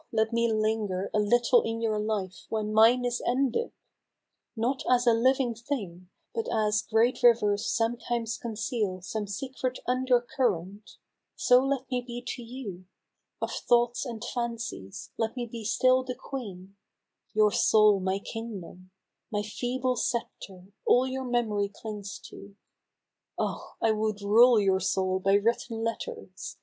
let me linger A little in your life when mine is ended ! Not as a living thing, but as great rivers Sometimes conceal some secret undercurrent. So let me be to you. Of thoughts and fancies, Let me be still the queen — your soul my kingdom, My feeble sceptre, all your memory clings to. Oh ! I would rule your soul by written letters.